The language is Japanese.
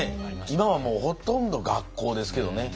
今はもうほとんど学校ですけどね。